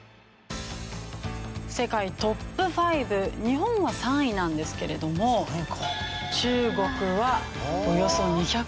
世界トップ５日本は３位なんですけれども中国はおよそ２２８万人。